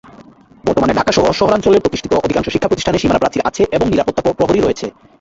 বর্তমানে ঢাকাসহ শহরাঞ্চলে প্রতিষ্ঠিত অধিকাংশ শিক্ষাপ্রতিষ্ঠানে সীমানাপ্রাচীর আছে এবং নিরাপত্তাপ্রহরী রয়েছে।